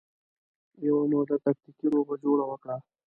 یوه موده تکتیکي روغه جوړه وکړه